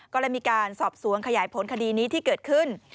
ก็เลยมีการสอบสวนขยายผลคดีนี้ที่เกิดขึ้น